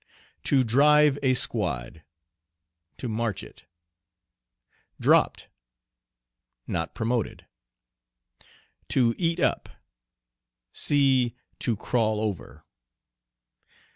"To drive a squad." To march it. "Dropped." Not promoted. "To eat up." See "To crawl over."